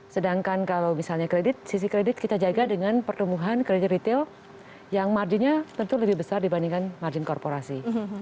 sedangkan kalau misalnya kredit sisi kredit kita jaga dengan pertumbuhan kredit retail yang marginnya tentu lebih besar dibandingkan margin korporasi